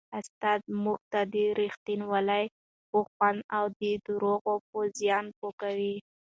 استاد موږ د رښتینولۍ په خوند او د درواغو په زیان پوه کوي.